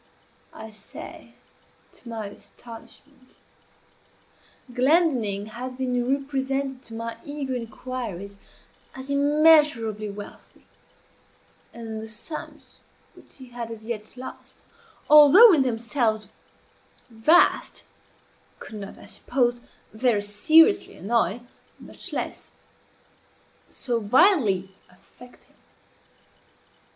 I say, to my astonishment. Glendinning had been represented to my eager inquiries as immeasurably wealthy; and the sums which he had as yet lost, although in themselves vast, could not, I supposed, very seriously annoy, much less so violently affect him.